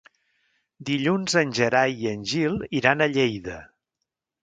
Dilluns en Gerai i en Gil iran a Lleida.